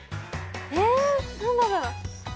えー、何だろう。